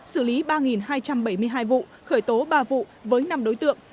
xử lý ba hai trăm bảy mươi hai vụ khởi tố ba vụ với năm đối tượng